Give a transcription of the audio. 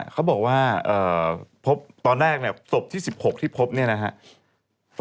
เขาบอกว่าพบตอนแรกเนี่ยศพที่๑๖ที่พบเนี่ยนะครับ